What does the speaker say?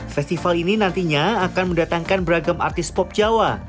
festival ini nantinya akan mendatangkan beragam artis pop jawa